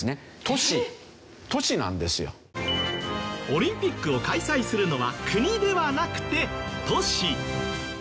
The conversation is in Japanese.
オリンピックを開催するのは国ではなくて都市。